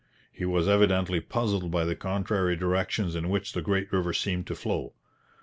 He was evidently puzzled by the contrary directions in which the great river seemed to flow.